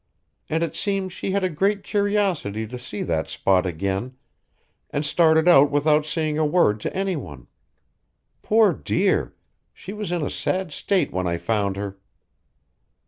And it seems she had a great curiosity to see that spot again and started out without saying a word to any one. Poor dear! She was in a sad state when I found her."